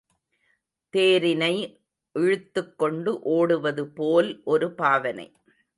தேரினை இழுத்துக் கொண்டு ஓடுவது போல் ஒரு பாவனை.